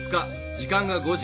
時間が５時。